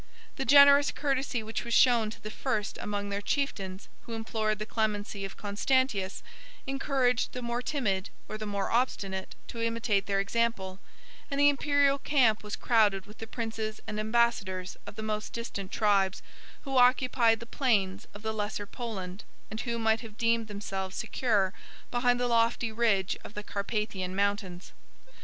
The generous courtesy which was shown to the first among their chieftains who implored the clemency of Constantius, encouraged the more timid, or the more obstinate, to imitate their example; and the Imperial camp was crowded with the princes and ambassadors of the most distant tribes, who occupied the plains of the Lesser Poland, and who might have deemed themselves secure behind the lofty ridge of the Carpathian Mountains.